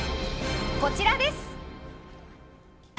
こちらです。